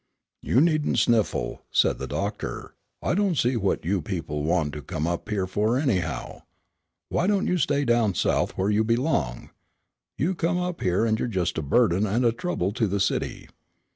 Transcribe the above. "You needn't sniffle," said the doctor; "I don't see what you people want to come up here for anyhow. Why don't you stay down South where you belong? You come up here and you're just a burden and a trouble to the city.